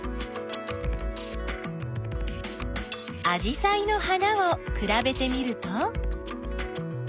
あじさいの花をくらべてみると？